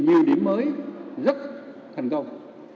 nhiều điểm mới rất thành công